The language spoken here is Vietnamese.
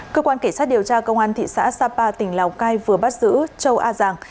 cơ quan cảnh sát điều tra công an thị xã sapa tỉnh lào cai vừa bắt giữ châu a giàng